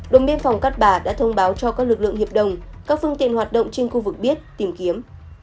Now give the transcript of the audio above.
đồng biên phòng cát bà đã thông báo cho các lực lượng hiệp đồng các phương tiện hoạt động trên khu vực biết tìm kiếm